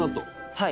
はい。